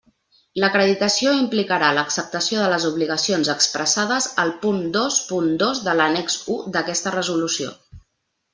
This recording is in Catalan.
L'acreditació implicarà l'acceptació de les obligacions expressades al punt dos punt dos de l'annex u d'aquesta Resolució.